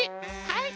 はい。